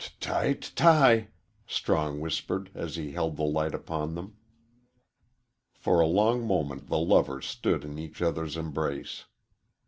"T y ty!" Strong whispered as he held the light upon them. For a long moment the lovers stood in each other's embrace.